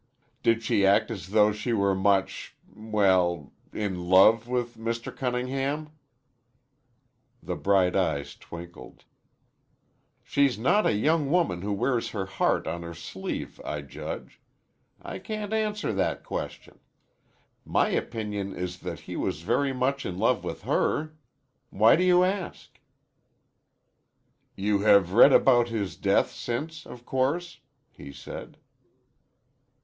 "Did she act as though she were much well, in love with Mr. Cunningham?" The bright eyes twinkled. "She's not a young woman who wears her heart on her sleeve, I judge. I can't answer that question. My opinion is that he was very much in love with her. Why do you ask?" "You have read about his death since, of course," he said.